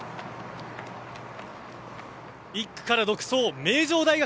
１区から独走、名城大学。